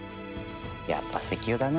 やっぱ石油だな。